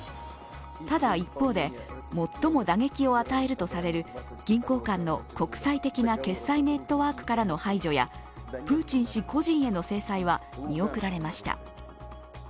ただ、一方で最も打撃を与えるとされる銀行間の国際的な決済ネットワークからの排除やプーチン氏個人への制裁は見送られました。